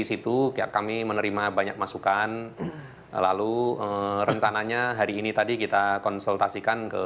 situ kami menerima banyak masukan lalu rencananya hari ini tadi kita konsultasikan ke